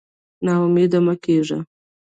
نا امېد مه کېږه.